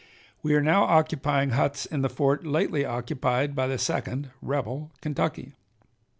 We are now occupying huts in the fort lately occupied by the Second (rebel) Kentucky.